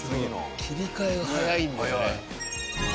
切り替えが早いんだよね。